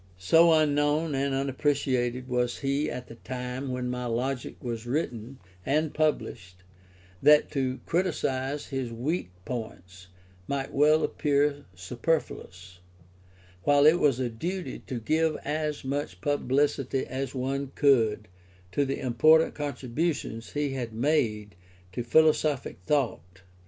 So unknown and unappreciated was he at the time when my Logic was written and published, that to criticize his weak points might well appear superfluous, while it was a duty to give as much publicity as one could to the important contributions he had made to philosophic thought.